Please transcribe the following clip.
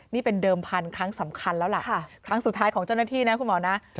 นี่เป็นเดิมพันธุ์ครั้งสำคัญแล้วล่ะครั้งสุดท้ายของเจ้าหน้าที่นะคุณหมอนะ